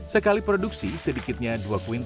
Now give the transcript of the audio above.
sekali produksi sedikitnya dua kuin